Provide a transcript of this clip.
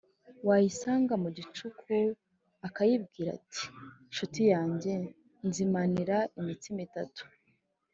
wayisanga mu gicuku, akayibwira ati: Nshuti yanjye, nzimanira imitsima itatu,